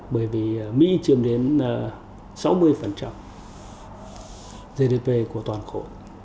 bởi vì mỹ chiếm đến sáu mươi gdp của toàn khổ